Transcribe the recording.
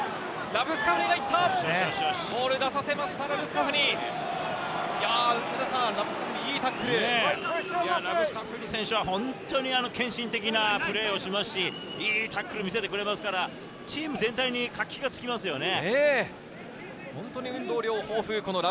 ラブスカフニ選手は本当に献身的なプレーをしますし、いいタックルを見せてくれますから、チーム全体に活気がつきますよね。